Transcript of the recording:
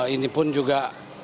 ini pun juga